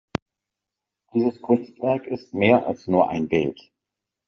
Dieses Kunstwerk ist mehr als nur ein Bild.